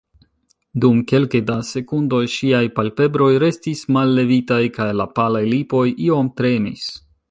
Dum kelke da sekundoj ŝiaj palpebroj restis mallevitaj kaj la palaj lipoj iom tremis.